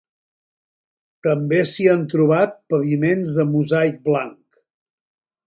També s'hi han trobat paviments de mosaic blanc.